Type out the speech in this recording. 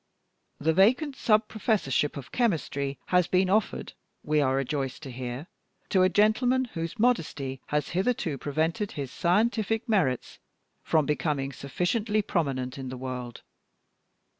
The vacant sub professorship of chemistry has been offered, we are rejoiced to hear, to a gentleman whose modesty has hitherto prevented his scientific merits from becoming sufficiently prominent in the world.